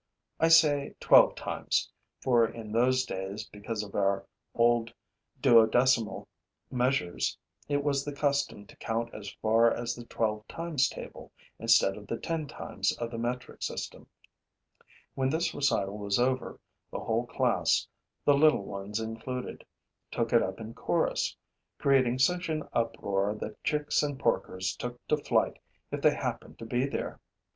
I say twelve times, for in those days, because of our old duodecimal measures, it was the custom to count as far as the twelve times table, instead of the ten times of the metric system. When this recital was over, the whole class, the little ones included, took it up in chorus, creating such an uproar that chicks and porkers took to flight if they happened to be there.